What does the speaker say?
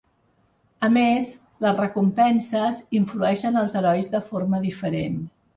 A més, les recompenses influeixen els herois de forma diferent.